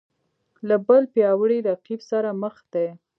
له بل پیاوړي رقیب سره مخ دی